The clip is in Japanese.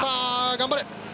頑張れ！